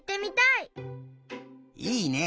いいね